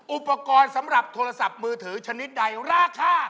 อุปกรณ์สำหรับโทรศัพท์มือถือชนิดใดราคา